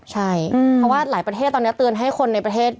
ใช่เพราะว่าหลายประเทศตอนนี้เตือนให้คนในประเทศ